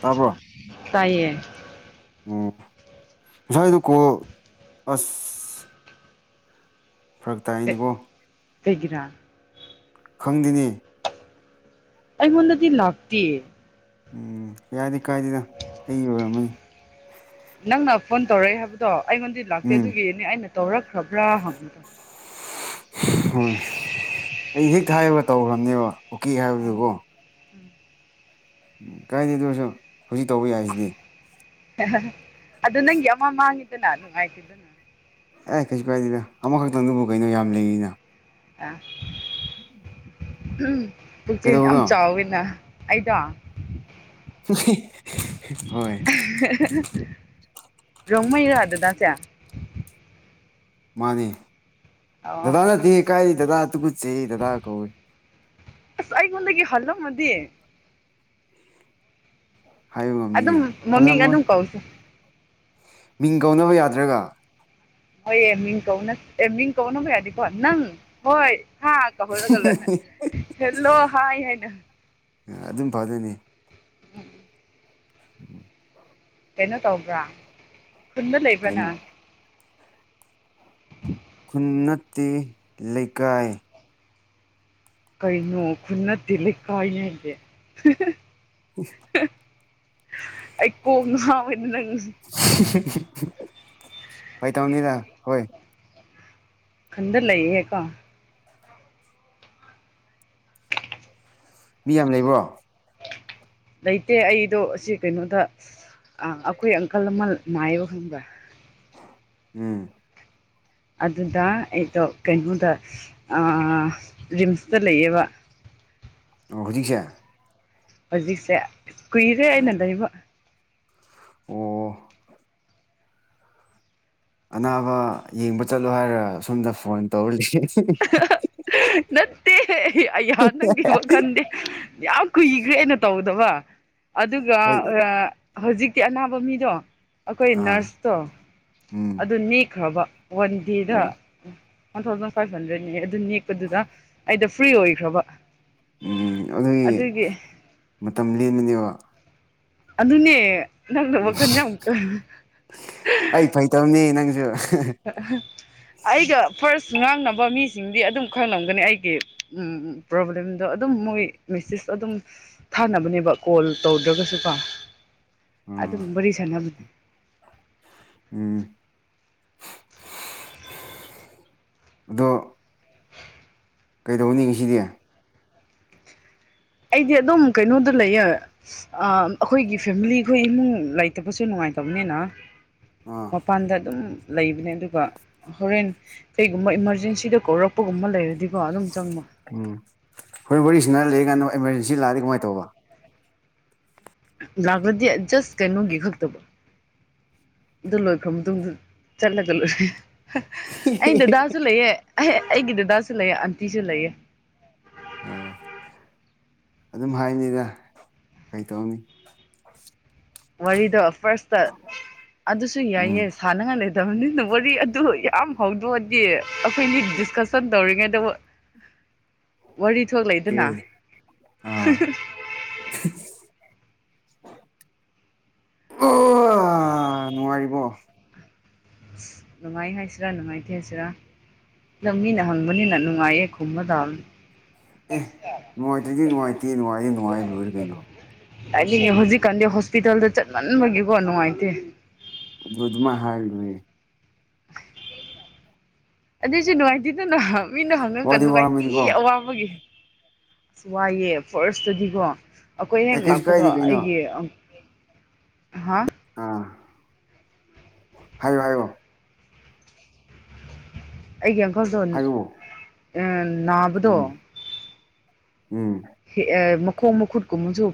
ꯇꯥꯕꯣꯔ ꯇꯥꯏꯌꯦ ꯎꯝ ꯉꯁꯥꯏꯗꯨ ꯀꯣ ꯑꯁ ꯐꯔꯛ ꯇꯥꯏꯅꯤꯀꯣ ꯀꯩꯒꯤꯔꯥ ꯈꯪꯗꯦꯅꯦ ꯑꯩꯉꯣꯟꯗꯗꯤ ꯂꯥꯛꯇꯦ ꯎꯝ ꯌꯥꯗꯤ ꯀꯥꯏꯗꯦꯗ ꯑꯩ ꯑꯣꯏꯔꯝꯃꯅꯤ ꯅꯪꯅ ꯐꯣꯟ ꯇꯧꯔꯛꯏ ꯍꯥꯏꯕꯗꯣ ꯑꯩꯉꯣꯟꯗꯤ ꯂꯥꯛꯇꯦ ꯎꯝ ꯑꯗꯨꯒꯤꯅꯦ ꯑꯩꯅ ꯇꯧꯔꯛꯈ꯭ꯔꯕ꯭ꯔꯥ ꯍꯪꯕꯗ ꯍꯣꯏ ꯑꯩ ꯍꯦꯛ ꯍꯥꯏꯒ ꯇꯧꯈ꯭ꯔꯕꯅꯦꯕ ꯑꯣꯛꯀꯦ ꯍꯥꯏꯕꯗꯀꯣ ꯎꯝ ꯎꯝ ꯀꯥꯏꯗꯦꯗ ꯀꯩꯁꯨ ꯍꯧꯖꯤꯛ ꯇꯧꯕ ꯌꯥꯏꯁꯤꯗꯤ ꯑꯗꯨ ꯅꯪꯒꯤ ꯑꯃ ꯃꯥꯡꯏꯗꯅꯅ ꯅꯨꯡꯉꯥꯏꯇꯦꯗꯅ ꯑꯦ ꯀꯩꯁꯨ ꯀꯥꯏꯗꯦꯗ ꯑꯃꯈꯛꯇꯪ ꯑꯗꯨꯕꯨ ꯀꯩꯅꯣ ꯌꯥꯝ ꯂꯩꯔꯤꯅ ꯑ ꯎꯝ ꯎꯝ ꯄꯨꯛꯆꯦꯜ ꯌꯥꯝ ꯆꯥꯎꯋꯤꯅ ꯑꯩꯗꯣ ꯍꯣꯏ ꯔꯣꯡꯃꯩꯔ ꯗꯥꯗꯁꯦ ꯃꯥꯅꯤ ꯑꯣ ꯗꯗꯥꯅꯗꯤ ꯀꯥꯏ ꯗꯗꯥ ꯇꯨꯀꯠ ꯆꯩꯏ ꯗꯗꯥ ꯀꯧꯋꯦ ꯑꯁ ꯑꯩꯉꯣꯟꯗꯒꯤ ꯍꯜꯂꯝꯃꯗꯤ ꯍꯥꯏꯕ ꯑꯗꯨꯝ ꯉꯝꯅꯤꯅ ꯃꯃꯤꯡ ꯍꯜꯂꯝꯃꯣꯏ ꯑꯗꯨꯝ ꯀꯧꯅꯤꯁꯧ ꯃꯤꯡ ꯀꯧꯅꯕ ꯌꯥꯗ꯭ꯔꯒ ꯍꯣꯏ ꯑꯦ ꯃꯤꯡ ꯀꯧꯕꯅ ꯐꯩꯏꯌꯦ ꯃꯤꯡ ꯀꯧꯅꯕ ꯐꯩꯌꯦꯗꯤꯀꯣ ꯅꯪ ꯍꯣꯏ ꯍꯥ ꯀꯧꯍꯜꯂꯒ ꯍꯦꯜꯂꯣ ꯍꯥꯏ ꯍꯥꯏꯅ ꯑꯗꯨꯝ ꯐꯗꯣꯏꯅꯤ ꯎꯝ ꯎꯝ ꯀꯩꯅꯣ ꯇꯧꯕ꯭ꯔꯥ ꯈꯨꯟꯗ ꯂꯩꯕ꯭ꯔ ꯀꯩꯅꯣ ꯅꯪ ꯈꯨꯟ ꯅꯠꯇꯦ ꯂꯩꯀꯥꯏ ꯀꯩꯩꯅꯣ ꯈꯨꯟ ꯅꯠꯇꯦ ꯂꯩꯀꯥꯏꯅꯦ ꯍꯥꯏꯔꯤꯁꯦ ꯎꯐ ꯑꯩ ꯀꯣꯛ ꯉꯥꯎꯋꯦ ꯅꯪ ꯐꯥꯒꯤ ꯇꯧꯅꯤꯗ ꯍꯣꯏ ꯈꯨꯟꯗ ꯂꯩꯌꯦ ꯀꯣ ꯃꯤ ꯌꯥꯝ ꯂꯩꯕ꯭ꯔꯣ ꯂꯩꯇꯦ ꯑꯩꯗꯣ ꯑꯁꯤ ꯀꯩꯅꯣꯗ ꯑ ꯑꯩꯈꯣꯏ ꯑꯪꯀꯜ ꯑꯃ ꯅꯥꯥꯏꯌꯦꯕ ꯈꯪꯕ꯭ꯔ ꯎꯝ ꯑꯗꯨꯗ ꯑꯩꯗꯣ ꯀꯩꯅꯣꯗ ꯔꯤꯝꯁꯇ ꯂꯩꯌꯦꯕ ꯑꯣ ꯍꯧꯖꯤꯛꯁꯦ ꯍꯧꯖꯤꯛꯁꯦ ꯀꯨꯏꯔꯦ ꯑꯩꯅ ꯂꯩꯕ ꯑꯣ ꯑꯅꯥꯕ ꯌꯦꯡꯕ ꯆꯠꯂꯣ ꯍꯥꯏꯔꯒ ꯁꯣꯝꯗ ꯐꯣꯟ ꯇꯧꯔ ꯂꯩꯁꯦ [unintelligible] ꯅꯠꯇꯦ [unintelligible] ꯑꯩꯌꯥ ꯅꯪꯒꯤ ꯋꯥꯈꯟꯗꯤ ꯌꯥꯝ ꯀꯨꯏꯒ꯭ꯔꯦ ꯑꯩꯅ ꯇꯧꯗꯕ ꯑꯗꯨꯒ ꯍꯣꯏ ꯍꯧꯖꯤꯛꯇꯤ ꯑꯅꯥꯕ ꯃꯤꯗꯣ ꯑꯩꯈꯣꯏ ꯑꯥ ꯅꯔꯁꯇꯣ ꯎꯝ ꯑꯗꯨ ꯅꯦꯛꯈ꯭ꯔꯕ ꯋꯥꯟꯗꯦꯗ ꯑꯣ ꯋꯥꯟ ꯊꯥꯎꯖꯟ ꯐꯥꯏꯚ ꯍꯟꯗ꯭ꯔꯦꯠꯅꯤ ꯑꯗꯨ ꯅꯦꯛꯄꯗꯨꯗ ꯑꯩꯗꯣ ꯐ꯭ꯔꯤ ꯑꯣꯏꯈ꯭ꯔꯕ ꯎꯝ ꯑꯗꯨꯒꯤ ꯃꯇꯝ ꯂꯦꯟꯕꯅꯦꯕ ꯑꯗꯨꯅꯦ ꯅꯪꯅ ꯋꯥꯈꯜ ꯌꯥꯝ [unintelligible] ꯑꯩ ꯐꯥꯒꯤ ꯇꯧꯕꯅꯦ ꯅꯪꯁꯨ ꯑꯩꯒ ꯄ꯭ꯔꯁ ꯉꯥꯡꯅꯕ ꯃꯤꯁꯤꯡꯗꯤ ꯑꯗꯨꯝ ꯈꯪꯂꯝꯒꯅꯤ ꯑꯩꯒꯤ ꯎꯝ ꯄ꯭ꯔꯣꯕ꯭ꯂꯦꯝꯗꯣ ꯑꯗꯨꯝ ꯃꯣꯏ ꯃꯦꯁꯦꯁ ꯑꯗꯨꯝ ꯊꯥꯅꯕꯅꯦꯕ ꯀꯣꯜ ꯇꯧꯗ꯭ꯔꯒꯁꯨ ꯀꯣ ꯑꯣ ꯑꯗꯨꯝ ꯋꯥꯔꯤ ꯁꯥꯟꯅꯕꯅꯦ ꯎꯝ ꯑꯗꯣ ꯀꯩꯗꯧꯅꯤ ꯉꯁꯤꯗꯤ ꯑꯩꯗꯤ ꯑꯗꯨꯝ ꯀꯩꯅꯣꯗ ꯂꯩꯌꯦ ꯑꯥ ꯑꯩꯈꯣꯏꯒꯤ ꯐꯦꯝꯃꯤꯂꯤ ꯈꯣꯏ ꯏꯃꯨꯡ ꯂꯩꯇꯕꯁꯨ ꯅꯨꯡꯉꯥꯏ ꯅꯨꯡꯉꯥꯏꯇꯕꯅꯤꯅ ꯑꯥ ꯃꯄꯥꯟꯗ ꯑꯗꯨꯝ ꯂꯩꯕꯅꯦ ꯑꯗꯨꯒ ꯍꯣꯔꯦꯟ ꯀꯩꯒꯨꯝꯕ ꯏꯃꯥꯔꯖꯦꯟꯁꯤꯗ ꯀꯧꯔꯛꯄꯒꯨꯝꯕ ꯂꯩꯔꯗꯤ ꯎꯝ ꯍꯣꯔꯦꯟ ꯋꯥꯔꯤ ꯁꯅꯥ ꯂꯩꯔꯤꯀꯥꯟꯗ ꯑꯦꯃꯥꯔꯖꯦꯟꯁꯤ ꯂꯥꯛꯑꯗꯤ ꯀꯃꯥꯏ ꯇꯧꯕ ꯂꯥꯛꯂꯗꯤ ꯖꯁ ꯀꯩꯅꯣꯒꯤ ꯈꯛꯇ ꯑꯗꯨ ꯂꯣꯏꯈꯔ ꯃꯇꯨꯡꯗ ꯆꯠꯂꯒ ꯂꯣꯏꯔꯦ ꯑꯩ ꯗꯗꯥꯁꯨ ꯂꯩꯑꯦ ꯑꯩ ꯑꯩꯒꯤ ꯗꯗꯥꯁꯨ ꯂꯩꯑꯦ ꯑꯟꯇꯤꯁꯨ ꯂꯩꯑꯦ ꯑꯥ ꯑꯗꯨꯝ ꯍꯥꯏꯅꯤꯗ ꯀꯩ ꯇꯧꯅꯤ ꯋꯥꯔꯤꯗꯣ ꯐꯥꯔꯁꯇ ꯑꯗꯨꯁꯨ ꯎꯝ ꯌꯥꯏꯌꯦ ꯁꯥꯟꯅꯉꯥꯏ ꯂꯩꯇꯕꯅꯤꯅ ꯋꯥꯔꯤ ꯑꯗꯨ ꯌꯥꯝ ꯍꯧꯗꯣꯛꯑꯗꯤ ꯑꯩꯈꯣꯏꯗꯤ ꯗꯤꯁꯀꯁꯟ ꯇꯧꯔꯤꯉꯩꯗ ꯋꯥ ꯀꯦ ꯑꯥ ꯑꯣ ꯅꯨꯉꯥꯏꯔꯤꯕ꯭ꯔꯣ ꯅꯨꯡꯉꯥꯏ ꯍꯥꯏꯁꯤꯔꯥ ꯅꯨꯡꯉꯥꯏꯇꯦ ꯍꯥꯏꯁꯤꯔꯥ ꯗ ꯃꯤꯅ ꯍꯪꯕꯅꯤꯅ ꯅꯨꯡꯉꯥꯏꯌꯦ ꯈꯨꯝꯕ ꯇꯥꯕꯅꯤ ꯑꯦ ꯅꯨꯡꯉꯥꯏꯇꯔꯗꯤ ꯅꯨꯡꯉꯥꯏꯇꯦ ꯅꯨꯡꯉꯥꯏ ꯅꯨꯡꯉꯥꯏ ꯂꯣꯏꯔꯦ ꯀꯩꯅꯣ ꯇꯥꯏꯅꯤꯡꯉꯦ ꯍꯧꯖꯤꯛꯀꯥꯟꯗꯤ ꯍꯣꯁꯄꯤꯇꯥꯜꯗ ꯆꯠꯃꯟꯕꯒꯤꯀꯣ ꯅꯨꯡꯉꯥꯏꯇꯦ ꯗꯨ ꯑꯗꯨꯃꯥꯏ ꯍꯥꯏꯔ ꯂꯣꯏꯔꯦ ꯑꯗꯨꯁꯨ ꯅꯨꯡꯉꯥꯏꯇꯤ ꯃꯤꯅ ꯍ ꯃꯤꯅ ꯍꯪꯔꯒ ꯋꯥꯗꯤ ꯅꯨꯡꯉꯥꯏꯇꯦ ꯋꯥꯔꯝꯃꯅꯤꯀꯣ ꯑꯋꯥꯕꯒꯤ ꯑꯁ ꯋꯥꯏꯑꯦ ꯐꯥꯔꯁꯇꯗꯤꯀꯣ ꯑꯩꯈꯣꯏ ꯑꯦ ꯍꯦꯛ ꯀꯩꯁꯨ ꯂꯥꯛꯄꯒ ꯀꯥꯏꯗꯦ ꯀꯩꯅꯣ ꯑꯩꯒꯤ ꯍꯥ ꯑꯥ ꯍꯥꯏꯌꯣ ꯍꯥꯏꯌꯣ ꯑꯩꯒꯤ ꯑꯪꯀꯜꯗꯣ ꯎꯝ ꯍꯥꯏꯌꯣ ꯅꯥꯕꯗꯣ ꯎꯝ ꯎꯝ ꯑ ꯥꯃꯈꯣꯡ ꯃꯈꯨꯠꯀꯨꯝꯕꯁꯨ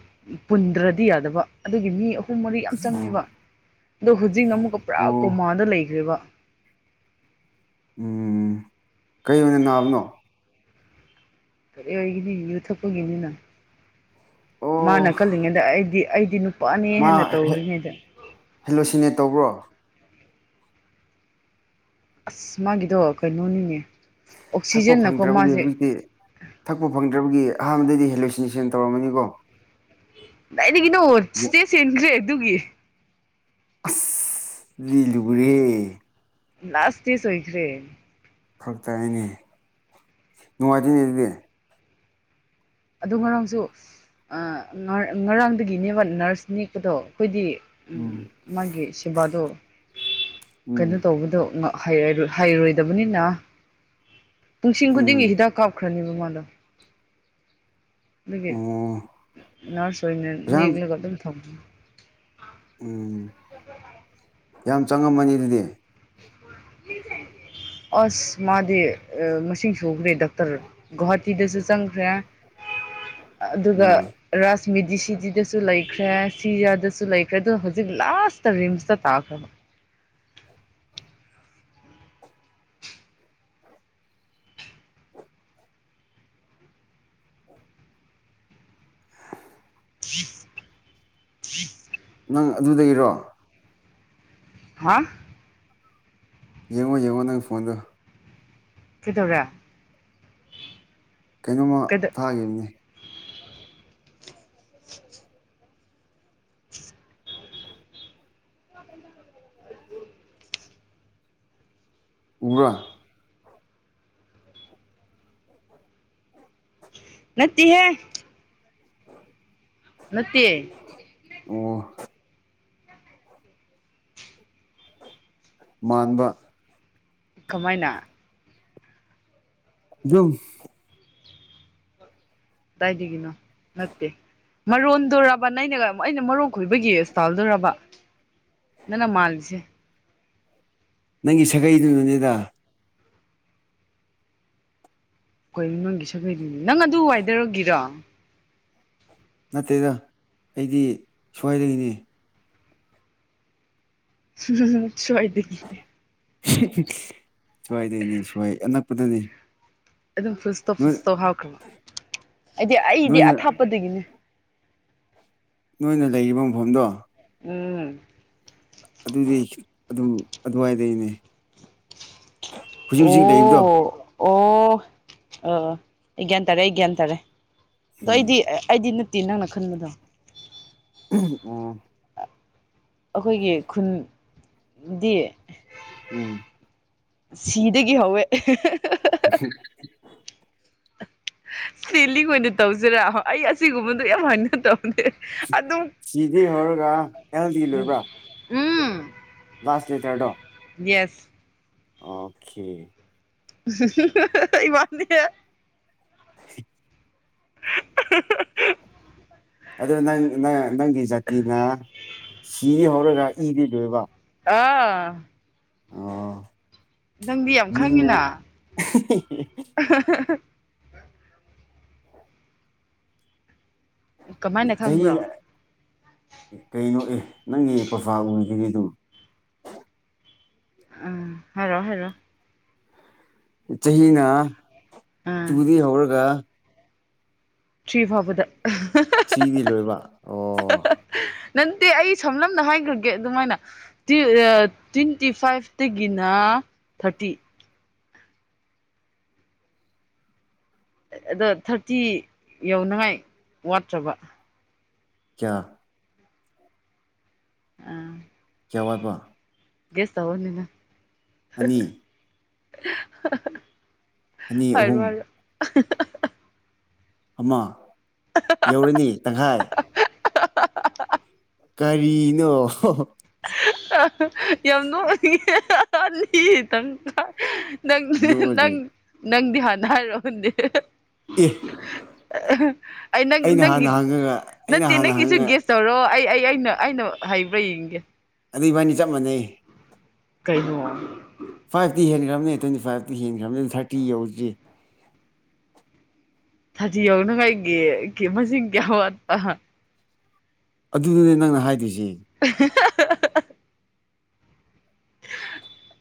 ꯄꯨꯟꯗ꯭ꯔꯗꯤ ꯌꯥꯗꯕ ꯑꯗꯨꯒꯤ ꯃꯤ ꯑꯍꯨꯝ ꯄꯨꯡ ꯃꯔꯤ ꯌꯥꯝ ꯆꯪꯉꯦꯕ ꯑꯣ ꯑꯗꯣ ꯍꯧꯖꯤꯛꯅ ꯑꯃꯨꯛꯀ ꯄꯨꯔꯥ ꯀꯣꯃꯥꯗ ꯂꯩꯈ꯭ꯔꯦꯕ ꯎꯝ ꯀꯩ ꯑꯣꯏꯅ ꯅꯥꯕꯅꯣ ꯀꯔꯤ ꯑꯣꯏꯒꯅꯤ ꯌꯨ ꯊꯛꯄꯒꯤꯅꯤꯅ ꯃꯥꯅ ꯑꯣ ꯀꯜꯂꯤꯉꯩꯗ ꯑꯩꯗꯤ ꯑꯩꯗꯤ ꯅꯨꯄꯥꯅꯦ ꯍꯦꯅ ꯇꯧꯔꯤꯉꯩꯗ ꯍꯜꯂꯣꯁꯤꯅꯦꯠ ꯇꯧꯕ꯭ꯔꯣ ꯑꯁ ꯃꯥꯒꯤꯗꯣ ꯀꯩꯅꯣꯅꯤꯅꯦ ꯊꯛꯄ ꯑꯣꯛꯁꯤꯖꯟꯅꯀꯣ ꯐꯪꯗ꯭ꯔꯕꯒꯤ ꯃꯥꯁꯦ ꯍꯧꯖꯤꯛꯇꯤ ꯊꯛꯄ ꯐꯪꯗ꯭ꯔꯕꯒꯤ ꯑꯍꯥꯟꯕꯗꯗꯤ ꯍꯦꯂꯨꯁꯤꯅꯦꯁꯟ ꯇꯧꯔꯝꯃꯅꯤꯀꯣ ꯀꯗꯥꯏꯗꯒꯤꯅꯣ ꯁꯇꯦꯁ ꯍꯦꯟꯈ꯭ꯔꯦ ꯑꯗꯨꯒꯤ ꯑꯁ ꯗꯨꯗꯤ ꯂꯨꯔꯤꯍꯦ ꯂꯥꯁ ꯁꯇꯦꯁ ꯑꯣꯏꯈ꯭ꯔꯦ ꯐꯔꯛꯇꯥꯏꯅꯦ ꯅꯨꯡꯉꯥꯏꯇꯦꯅꯦ ꯑꯗꯨꯗꯤ ꯑꯗꯨ ꯉꯔꯥꯡꯁꯨ ꯑꯥ ꯉꯔꯥ ꯉꯔꯥꯡꯗꯒꯤꯅꯦꯕ ꯅꯔꯁ ꯅꯦꯛꯄꯗꯣ ꯑꯩꯈꯣꯏꯗꯤ ꯎꯝ ꯃꯥꯒꯤ ꯁꯦꯕꯥꯗꯣ ꯀꯩꯅꯣ ꯎꯝ ꯇꯧꯕꯗꯣ ꯉ ꯍꯩꯔꯔꯣꯏ ꯍꯩꯔꯣꯏꯗꯕꯅꯤꯅ ꯄꯨꯡꯁꯤꯡ ꯈꯨꯗꯤꯡꯒꯤ ꯎꯝ ꯍꯤꯗꯥꯛ ꯀꯥꯞꯈ ꯈꯔꯅꯤꯕ ꯃꯥꯗꯣ ꯗꯨꯒꯤ ꯑꯣ ꯅꯔꯁ ꯑꯣꯏꯅ ꯄꯩꯁꯥ ꯅꯦꯛꯂꯒ ꯗꯨꯝ ꯊꯝꯃ ꯎꯝ ꯌꯥꯝ ꯆꯪꯉꯝꯃꯅꯤ ꯑꯗꯨꯗꯤ [inaudible] ꯑꯁ ꯃꯥꯗꯤ ꯑꯥ ꯃꯁꯤꯡ ꯁꯨꯈ꯭ꯔꯦ ꯗꯥꯛꯇꯔ ꯒꯨꯍꯥꯇꯤꯗꯁꯨ ꯆꯪꯈ꯭ꯔꯦ ꯑꯗꯨꯒ ꯑꯥ ꯔꯥꯁ ꯃꯤꯗꯤ ꯁꯤꯗꯤꯗꯁꯨ ꯂꯩꯈ꯭ꯔꯦ ꯁꯤꯖꯥꯗꯁꯨ ꯂꯩꯈ꯭ꯔꯦ ꯑꯗꯨ ꯍꯧꯖꯤꯛ ꯂꯥꯁꯇ ꯔꯤꯝꯁꯇ ꯇꯥꯈ꯭ꯔꯦ [inaudible] [unintelligible] ꯅꯪ ꯑꯗꯨꯗꯒꯤꯔꯣ ꯍꯥ ꯌꯦꯡꯉꯣ ꯌꯦꯡꯉꯣ ꯅꯪ ꯐꯣꯟꯗꯣ ꯀꯩꯗꯧꯔꯦ ꯀꯩꯅꯣꯝꯃ ꯀꯩꯗꯧ ꯊꯥꯒꯤꯝꯅꯤ [inaudible] [inaudible] ꯅꯠꯇꯤꯍꯦ ꯅꯠꯇꯦ ꯑꯣ ꯃꯥꯟꯕꯕꯀ ꯀꯃꯥꯏꯅ ꯗꯨꯝ ꯀꯗꯥꯏꯗꯒꯅꯣ ꯃꯠꯇꯦ ꯃꯔꯣꯟꯗꯨꯣꯔꯕ ꯅꯩꯅꯒ ꯑꯩꯅ ꯃꯔꯣꯟ ꯈꯣꯏꯕꯒꯤ ꯏꯁꯇꯥꯜꯗꯣꯔꯕ [unintelligible] [unintelligible] ꯅꯪꯒꯤ ꯁꯥꯒꯩꯗꯨꯅꯅꯦꯗ ꯀꯣꯏ ꯅꯪꯒꯤ ꯁꯒꯩꯗꯨꯅꯦ ꯅꯪ ꯑꯗꯨ ꯋꯥꯏꯗꯔꯒꯤꯔꯣ ꯅꯠꯇꯦꯗ ꯑꯩꯗꯤ ꯁ꯭ꯋꯥꯏꯗꯒꯤꯅꯤ [unintelligible] ꯁ꯭ꯋꯥꯗꯒꯤꯅꯦ ꯁ꯭ꯋꯥꯏꯗꯩꯅꯤ ꯁ꯭ꯋꯥꯏ ꯑꯅꯛꯄꯗꯅꯤ ꯑꯗꯨꯝ ꯐꯨꯁꯇꯧ ꯅꯣꯏ ꯐꯨꯁꯇꯧ ꯍꯥꯎꯈ꯭ꯔꯕ ꯍꯥꯏꯗꯤ ꯑꯩꯗꯤ ꯅꯣꯏꯅ ꯑꯊꯥꯞꯄꯗꯒꯤꯅꯦ ꯅꯣꯏꯅ ꯂꯩꯔꯤꯕ ꯃꯐꯝꯗꯣ ꯎꯝ ꯑꯗꯨꯗꯤ ꯑꯗꯨ ꯑꯗꯨꯋꯥꯏꯗꯩꯅꯦ ꯍꯧꯖꯤꯛ ꯍꯧꯖꯤꯛ ꯂꯩꯕꯗꯣ ꯑꯣ ꯑꯣ ꯑꯥ ꯑꯩ ꯒ꯭ꯌꯥꯟ ꯇꯥꯔꯦ ꯑꯩ ꯒ꯭ꯌꯥꯟ ꯇꯥꯔꯦ ꯑꯗꯣ ꯎꯝ ꯑꯩꯗꯤ ꯑꯩꯗꯤ ꯅꯪꯅ ꯈꯟꯕꯗꯣ ꯑꯝ ꯑꯩꯈꯣꯏꯒꯤ ꯈꯨꯟꯗꯤ ꯎꯝ ꯁꯤꯗꯒꯤ ꯍꯧꯋꯦ ꯁꯦꯂꯤꯡ ꯑꯣꯏꯅ ꯇꯧꯁꯤꯔꯥ ꯑꯩ ꯑꯁꯤꯒꯨꯝꯕꯗꯣ ꯌꯥꯝ ꯍꯪꯅꯗ ꯑꯗꯨꯝ ꯁꯤꯗꯤ ꯍꯧꯔꯒ ꯑꯦꯜ ꯗꯤ ꯎꯝ ꯂꯣꯏꯕ꯭ꯔꯥ ꯎꯝ ꯂꯥꯁ ꯂꯦꯇꯔꯗꯣ ꯌꯦꯁ ꯑꯣꯛꯈꯦ ꯏꯕꯥꯅꯤ [inaudible] ꯑꯗꯣ ꯅꯪ ꯅꯪ ꯅꯪꯒꯤ ꯖꯥꯇꯤꯅ ꯁꯤꯍꯧꯔꯒ ꯏꯗꯤ ꯂꯣꯏꯕ ꯑꯥ ꯑꯣ ꯅꯪꯗꯤ ꯌꯥꯝ ꯃꯤꯅ ꯈꯪꯉꯤꯅ ꯀꯃꯥꯏꯅ ꯆꯍꯤ ꯈꯪꯕ꯭ꯔꯣ ꯀꯩꯅꯣ ꯑꯦ ꯅꯪꯒꯤ ꯄ꯭ꯔꯣꯐꯥꯜ ꯑꯣꯏꯗꯤ ꯑꯗꯨ ꯑꯝ ꯍꯥꯔꯛꯑꯣ ꯍꯥꯔꯛꯑꯣ ꯆꯍꯤꯅ ꯎꯝ ꯇꯨꯗꯒꯤ ꯍꯧꯔꯒ ꯊ꯭ꯔꯤ ꯐꯥꯎꯕꯗ ꯊ꯭ꯔꯤꯗꯤ ꯂꯣꯏꯕ ꯑꯣ ꯅꯠꯇꯦ ꯑꯩ ꯁꯝꯂꯞꯅ ꯍꯥꯏꯈ꯭ꯔꯒꯦ ꯑꯗꯨꯃꯥꯏꯅ ꯗꯤꯜ ꯑꯥ ꯇ꯭ꯋꯦꯟꯇꯤ ꯐꯥꯏꯚꯇꯒꯤꯅ ꯊꯥꯔꯇꯤ ꯑꯗꯣ ꯊꯥꯔꯇꯤ ꯌꯧꯅꯉꯥꯏ ꯋꯥꯠꯇ꯭ꯔꯕ ꯀꯌꯥ ꯑꯥ ꯀꯌꯥ ꯋꯥꯠꯕ ꯒꯦꯁ ꯇꯧꯑꯣꯅꯦ ꯅꯪ ꯑꯅꯤ [inaudible] ꯑꯅꯤ ꯍꯥꯏꯔꯣ ꯑꯍꯨꯝ [inaudible] ꯑꯃ ꯌꯧꯔꯅꯤ ꯇꯪꯈꯥꯏ ꯀꯔꯤꯅꯣ ꯌꯥꯝ ꯅꯣꯛꯅꯤꯡꯉꯦꯗ ꯑꯅꯤ ꯇꯪꯈꯥꯏ ꯅꯪ ꯅꯣꯛꯑꯦ ꯅꯪ ꯅꯪꯒꯤ ꯍꯥꯟꯅ ꯍꯥꯏꯔꯛꯑꯣꯅꯦ ꯑꯦ ꯑꯩ ꯅꯪ ꯑꯩꯅ ꯅꯪꯒꯤ ꯍꯥꯟꯅ ꯍꯪꯉꯒ ꯑꯩꯅ ꯅꯠꯇꯦ ꯍꯥꯟꯅ ꯅꯪꯒꯤꯁꯨ ꯍꯪꯉꯒ ꯒꯦꯁ ꯇꯧꯔꯣ ꯑꯩ ꯑꯩ ꯑꯩꯅ ꯑꯩꯅ ꯍꯩꯕ꯭ꯔꯥ ꯌꯦꯡꯒꯦ ꯑꯗꯨꯏ ꯏꯕꯥꯅꯤ ꯆꯞ ꯃꯥꯟꯅꯩ ꯀꯩꯅꯣ ꯐꯥꯏꯚꯇꯤ ꯍꯦꯟꯈ꯭ꯔꯕꯅꯦ ꯇ꯭ꯋꯦꯟꯇꯤ ꯐꯥꯏꯚꯇꯤ ꯍꯦꯟꯈ꯭ꯔꯕꯅꯦ ꯊꯥꯔꯇꯤ ꯌꯧꯗ꯭ꯔꯤ ꯊ꯭ꯔꯇꯤ ꯌꯧꯅꯉꯥꯏꯒꯤ ꯃꯁꯤꯡ ꯀꯌꯥ ꯋꯥꯠꯄ ꯑꯗꯨꯗꯨꯅꯦ ꯅꯪꯅ ꯍꯥꯏꯗꯣꯏꯁꯤ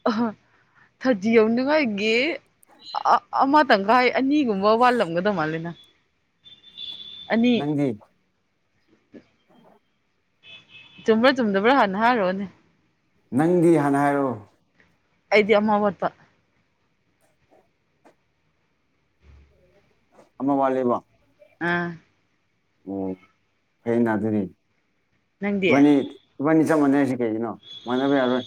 ꯑꯍ ꯊ꯭ꯔꯇꯤ ꯌꯧꯅꯤꯡꯉꯥꯏꯒꯤ ꯑꯃ ꯇꯪꯈꯥꯏ ꯑꯅꯤꯒꯨꯝꯕ ꯋꯥꯠꯂꯝꯒꯗꯧ ꯃꯥꯜꯂꯦꯅ ꯑꯅꯤ ꯅꯪꯗꯤ ꯎꯝ ꯆꯨꯝꯕ꯭ꯔꯥ ꯆꯨꯝꯗꯕ꯭ꯔꯥ ꯍꯟꯅ ꯍꯥꯥꯔꯣꯅꯦ ꯅꯪꯗꯤ ꯍꯥꯟꯅ ꯍꯥꯏꯔꯛꯑꯣ ꯑꯩꯗꯤ ꯑꯃ ꯋꯥꯠꯄꯥ ꯑꯃ ꯋꯥꯠꯂꯤꯕ꯭ꯔꯣ ꯑꯥ ꯑꯣ ꯐꯩꯌꯦꯅ ꯑꯗꯨꯅꯤ ꯅꯪꯗꯤ ꯅꯣꯏꯅꯤ ꯆꯞ ꯃꯥꯟꯅꯩꯁ ꯀꯩꯒꯤꯅꯣ ꯃꯟꯅꯕ ꯌꯥꯔꯣꯏ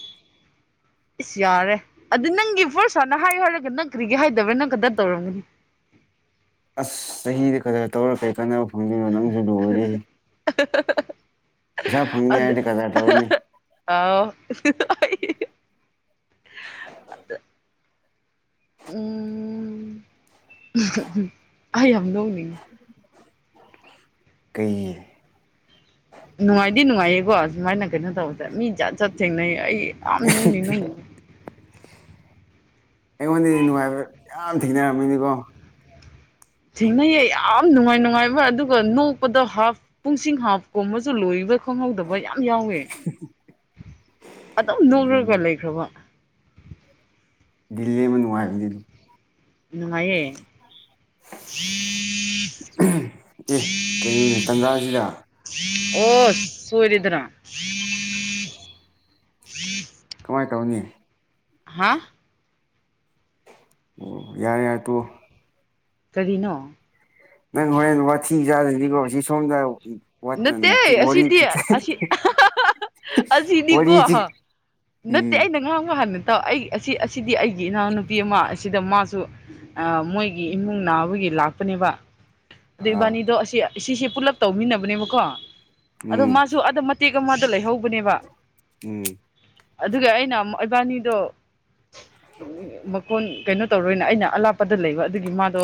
ꯏꯁꯁ ꯌꯥꯔꯦ ꯑꯗꯨꯗ ꯅꯪꯒꯤ ꯄꯣꯔꯁꯥꯅ ꯍꯥꯏꯌꯨ ꯍꯥꯏꯔꯒ ꯅꯪ ꯀ꯭ꯔꯤꯒꯦ ꯍꯥꯏꯗꯕ꯭ꯔꯥ ꯅꯪ ꯀꯥꯗ꯭ꯔ ꯇꯧꯔꯝꯒꯅꯤ ꯑꯁ ꯆꯍꯤꯗ ꯀꯛꯇ ꯇꯧꯔ ꯀꯔꯤ ꯀꯥꯟꯅꯕ ꯐꯪꯗꯣꯏꯅꯣ ꯅꯪꯁꯨ ꯂꯣꯏꯔꯦ ꯑꯗꯨ ꯍꯥꯏꯔꯗꯤ ꯀꯗꯔ ꯇꯧꯔꯅꯤ ꯑ ꯎꯝ ꯑꯩ ꯌꯥꯝ ꯅꯣꯡꯅꯤꯡ ꯀꯩꯒꯤ ꯅꯨꯡꯉꯥꯏꯗꯤ ꯅꯨꯡꯉꯥꯏꯌꯦꯕꯣ ꯑꯁꯨꯃꯥꯏꯅ ꯀꯩꯅꯣ ꯇꯧꯕꯁꯦ ꯃꯤ ꯖꯠ ꯖꯠ ꯊꯦꯡꯅꯩ ꯑꯩ ꯌꯥꯝ ꯅꯨꯡꯅꯤ ꯅꯣꯏ ꯑꯩꯉꯣꯟꯗꯤ ꯅꯨꯡꯉꯥꯏꯕ ꯌꯥꯝ ꯊꯦꯡꯅꯔꯝꯃꯤꯅꯤꯀꯣ ꯊꯦꯡꯅꯩꯌꯦ ꯌꯥꯝ ꯅꯨꯡꯉꯥꯏ ꯅꯨꯡꯉꯥꯏꯕ ꯑꯗꯨꯒ ꯅꯣꯛꯄꯗ ꯍꯥꯐ ꯄꯨꯡꯁꯤꯡ ꯍꯥꯐꯀꯨꯝꯕꯁꯨ ꯂꯣꯏꯕ ꯈꯪꯍꯧꯗꯕ ꯌꯥꯝ ꯌꯥꯎꯋꯦ ꯑꯗꯨꯝ ꯅꯣꯛꯂꯒ ꯑꯗꯨꯅꯦ ꯂꯩꯈ꯭ꯔꯕ ꯗꯗꯤꯜꯂꯤ ꯂꯩꯕ ꯅꯨꯡꯉꯥꯏꯒ꯭ꯔꯕ ꯅꯤꯗꯣ ꯅꯨꯡꯉꯥꯏꯌꯦ ꯑꯦ ꯀꯩꯅꯣꯅꯦ ꯇꯥꯟꯖꯥꯁꯤꯗ ꯑꯣ ꯁꯣꯏꯔꯦꯗꯅ ꯀꯃꯥꯏ ꯇꯧꯅꯤ ꯍꯥ ꯑꯣ ꯌꯥꯔꯦ ꯌꯥꯔꯦ ꯇꯣꯛ ꯑꯣ ꯀꯔꯤꯅꯣ ꯅꯪ ꯍꯣꯔꯦꯟ ꯋꯥꯊꯤ ꯆꯥꯗꯅꯤꯀꯣ ꯁꯤ ꯁꯣꯝꯗ ꯋꯥ ꯅꯠꯇꯦ ꯎ ꯋꯥꯔꯤ ꯑꯁꯤꯅꯤꯀꯣ ꯋꯥꯔꯤ ꯆꯤꯛ ꯅꯠꯇꯦ ꯎꯝ ꯑꯩꯅ ꯉꯥꯡꯕ ꯍꯥꯟꯅꯗꯤ ꯑꯩ ꯑꯁꯤ ꯑꯁꯤꯗꯤ ꯑꯩꯒꯤ ꯏꯅꯥꯎꯅꯨꯄꯤ ꯑꯃ ꯁꯤꯗ ꯃꯥꯁꯨ ꯃꯣꯏꯒꯤ ꯏꯃꯨꯡ ꯅꯥꯕꯒꯤ ꯂꯥꯛꯄꯅꯦꯕ ꯑ ꯑꯥ ꯏꯕꯥꯅꯤꯗꯣ ꯑꯁꯤ ꯁꯤꯁꯦ ꯄꯨꯂꯞ ꯇꯧꯃꯤꯟꯅꯕꯅꯦꯕꯀꯣ ꯑꯗꯣ ꯎꯝ ꯃꯥꯁꯨ ꯑꯗꯨꯗ ꯃꯇꯦꯛ ꯃꯥꯗꯣ ꯂꯩꯍꯧꯕꯅꯦꯕ ꯎꯝ ꯑꯗꯨꯒ ꯑꯩꯅ ꯏꯕꯥꯅꯤꯗꯣ ꯃꯀꯣꯟ ꯀꯩꯅꯣ ꯇꯧꯔꯣꯏꯅ ꯑꯩꯅ ꯑꯂꯥꯞ ꯄꯗ ꯂꯩꯕ ꯑꯗꯨꯒꯤ ꯃꯥꯗꯣ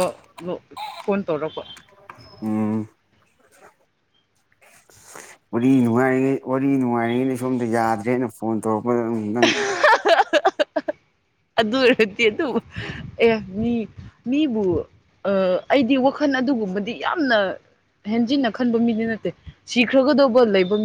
ꯐꯣꯟ ꯇꯧꯔꯛꯄ ꯎꯝ ꯋꯥꯔꯤ ꯅꯨꯡꯉꯥꯏꯔꯤꯉꯩ ꯋꯥꯔꯤ ꯅꯨꯡꯉꯥꯏꯔꯤꯉꯩꯗ ꯁꯣꯝꯗ ꯌꯥꯗ꯭ꯔꯦꯅ ꯐꯣꯟ ꯇꯧꯔꯛ ꯄꯗ ꯎꯝ ꯅꯪ [inaudible] ꯑꯗꯨ ꯑꯣꯏꯔꯗꯤ ꯑꯗꯨꯕꯨ ꯑꯦ ꯃꯤ ꯃꯤꯕꯨ ꯑꯥ ꯑꯩꯗꯤ ꯋꯥꯈꯜ ꯑꯗꯨꯒꯨꯝꯕꯗꯤ ꯌꯥꯝꯅ ꯍꯦꯟꯖꯤꯟꯅ ꯈꯟꯕ ꯃꯤꯗꯤ ꯅꯠꯇꯦ ꯁꯤꯈ꯭ꯔꯒꯗꯧꯕ ꯂꯩꯕ ꯃꯤ